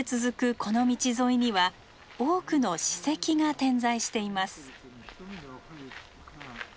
この道沿いには多くの史跡が点在しています。